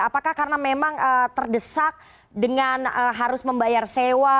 apakah karena memang terdesak dengan harus membayar sewa